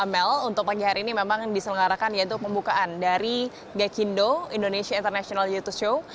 amel untuk pagi hari ini memang diselenggarakan yaitu pembukaan dari gekindo indonesia international youtus show